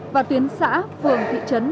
và tuyến xã phường thị trấn